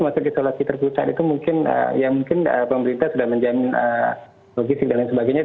kalau kita lihat di terputar itu mungkin pemerintah sudah menjamin logis dan sebagainya